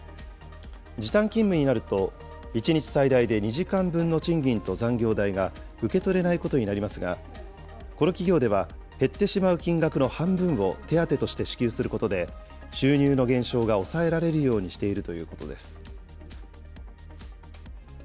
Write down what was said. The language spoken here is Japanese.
時短勤務になると、１日最大で２時間分の賃金と残業代が受け取れないことになりますが、この企業では減ってしまう金額の半分を手当として支給することで、収入の減少が抑えられるようにしているということです。